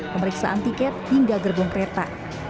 pemeriksaan tiket hingga gerbong kereta